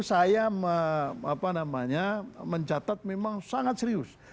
saya mencatat memang sangat serius